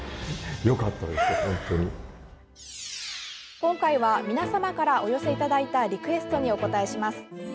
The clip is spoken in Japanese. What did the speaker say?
今回は皆様からお寄せいただいたリクエストにお応えします。